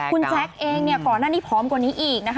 คุณแจ๊คเองก่อนหน้านี้พร้อมกว่านี้อีกนะคะ